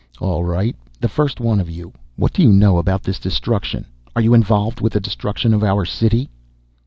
"All right, the first one of you. What do you know about this destruction? Are you involved with the destruction of our city?"